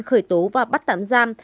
khởi tố và bắt tạm giam